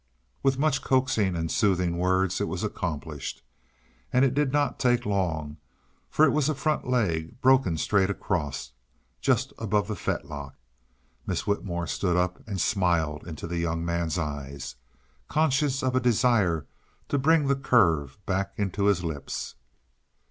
With much coaxing and soothing words it was accomplished, and it did not take long, for it was a front leg, broken straight across, just above the fetlock. Miss Whitmore stood up and smiled into the young man's eyes, conscious of a desire to bring the curve back into his lips.